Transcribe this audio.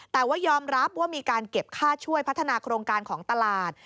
แต่ว่ายอมรับว่ามีการเก็บค่าช่วยพัฒนาโครงการของตลาด